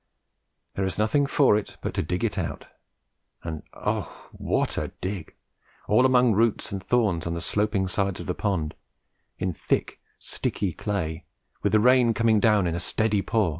There is nothing for it but to dig it out; and oh, what a dig, all among roots and thorns on the sloping sides of the pond, in thick sticky clay, with the rain coming down in a steady pour!